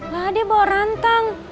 lah dia bawa rantang